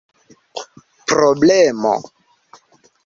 problemo